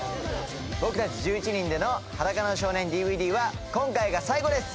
僕たち１１人での『裸の少年ＤＶＤ』は今回が最後です。